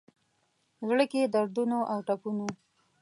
زړه کي دردونو اوټپونو،